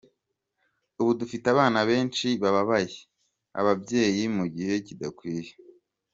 Ubu dufite abana benshi babaye ababyeyi mu gihe kidakwiriye.